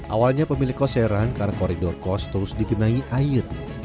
awalnya pemilik kos heran karena koridor kos terus dikenangi air